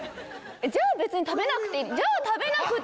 じゃあ別に食べなくていい。